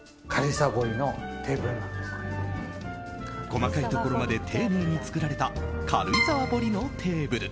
細かいところまで丁寧に作られた軽井沢彫りのテーブル。